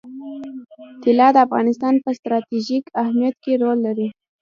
طلا د افغانستان په ستراتیژیک اهمیت کې رول لري.